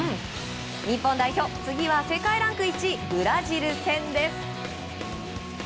日本代表次は世界ランク１位ブラジル戦です。